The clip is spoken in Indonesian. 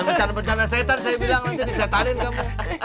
bencana bencana setan saya bilang nanti disetanin kamu